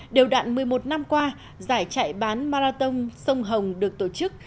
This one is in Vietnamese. đều đạn một mươi một năm qua giải chạy bán marathon sông hồng được tổ chức